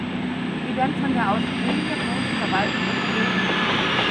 Sie werden von der Australia Post verwaltet und vergeben.